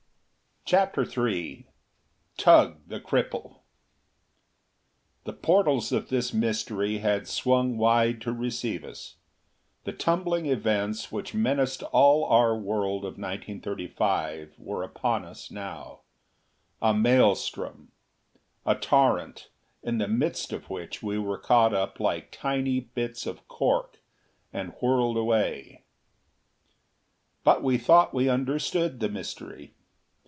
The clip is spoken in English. CHAPTER III Tugh, the Cripple The portals of this mystery had swung wide to receive us. The tumbling events which menaced all our world of 1935 were upon us now. A maelstrom. A torrent in the midst of which we were caught up like tiny bits of cork and whirled away. But we thought we understood the mystery.